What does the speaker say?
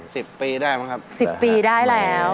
สิบปีได้มั้งครับสิบปีได้แล้ว